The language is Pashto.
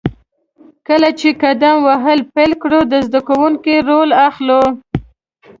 کله چې قدم وهل پیل کړو، د زده کوونکي رول اخلو.